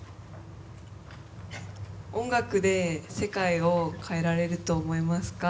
音楽で世界を変えられると思いますか？